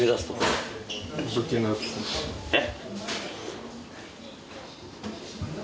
えっ？